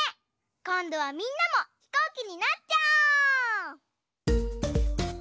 こんどはみんなもひこうきになっちゃおう！